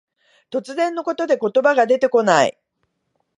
突然のことで言葉が出てこない。